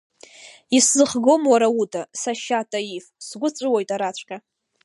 Исзыхгом ура уда, сашьа, Таиф, сгәы ҵәыуоит араҵәҟьа.